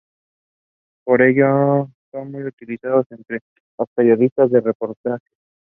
Por ello, son muy utilizados entre los periodistas de reportaje.